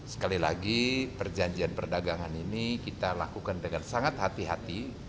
sekali lagi perjanjian perdagangan ini kita lakukan dengan sangat hati hati